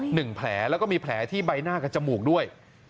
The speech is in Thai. หนึ่งแผลแล้วก็มีแผลที่ใบหน้ากับจมูกด้วย